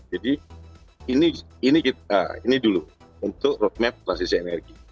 jadi ini dulu untuk roadmap dalam sisi energi